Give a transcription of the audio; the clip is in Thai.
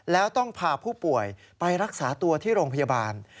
แล้วต้องพาผู้ป่วยไปรักษาตัวที่โรงพยาบาล